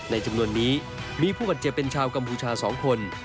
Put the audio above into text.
จำนวนนี้มีผู้บาดเจ็บเป็นชาวกัมพูชา๒คน